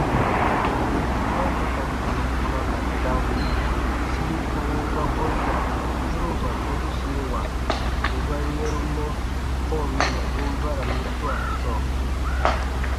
Ma ba ka tɔnu kpuna ka dam, siri kowo ba ko n da dokotoroba sokusiewa bè ba yɛ̃ru mɔ kɔ̃ɔ mɛnnabun baranu swaa sɔɔ.